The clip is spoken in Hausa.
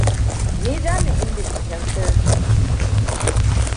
Ni jami'in binciken sirri ne.